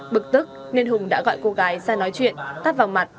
bực tức nên hùng đã gọi cô gái ra nói chuyện tắt vào mặt